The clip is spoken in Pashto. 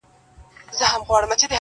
چي دا پاته ولي داسي له اغیار یو؟!!